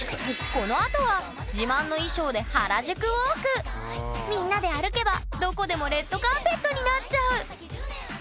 このあとは自慢の衣装でみんなで歩けばどこでもレッドカーペットになっちゃう！